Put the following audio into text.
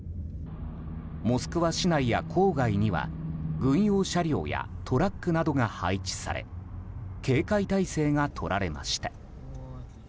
モスクワ市内や郊外には軍用車両やトラックなどが配置され警戒態勢がとられました。